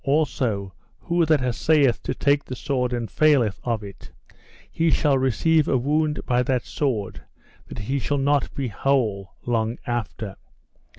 Also, who that assayeth to take the sword and faileth of it, he shall receive a wound by that sword that he shall not be whole long after.